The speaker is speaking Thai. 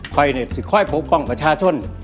ค่อยเน็ตที่ค่อยปกป้องประชาชน